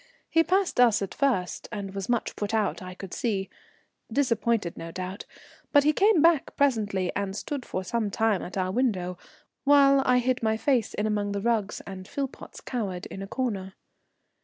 He passed us at first, and was much put out, I could see, disappointed no doubt, but he came back presently and stood for some time at our window, while I hid my face in among the rugs, and Philpotts cowered in a corner.